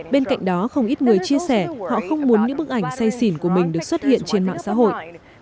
bên cạnh đó không ít người chia sẻ họ không muốn những bức ảnh say xỉn của mình được xuất hiện trên mạng xã hội